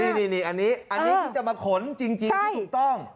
นี่อันนี้ที่จะมาขนจริงที่ถูกต้อง